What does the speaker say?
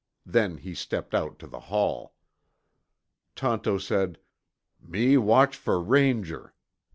Then he stepped out to the hall. Tonto said, "Me watch for Ranger.